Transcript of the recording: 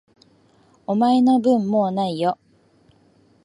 お前の分、もう無いよ。